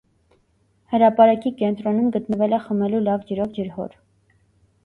Հրապարակի կենտրոնում գտնվել է խմելու լավ ջրով ջրհոր։